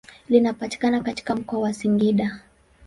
Linapatikana katika mkoa wa Singida.